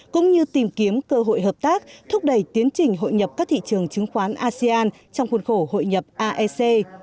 cũng như tìm kiếm cơ hội hợp tác thúc đẩy tiến trình hội nhập các thị trường chứng khoán asean trong khuôn khổ hội nhập aec